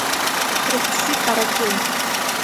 Precise para que é.